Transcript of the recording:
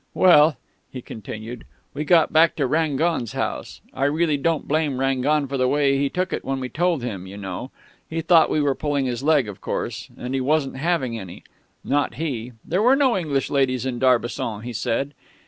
"Well," he continued, "we got back to Rangon's house. I really don't blame Rangon for the way he took it when we told him, you know he thought we were pulling his leg, of course, and he wasn't having any; not he! There were no English ladies in Darbisson, he said....